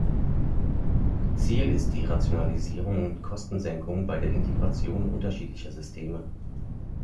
Ziel ist die Rationalisierung und Kostensenkung bei der Integration unterschiedlicher Systeme.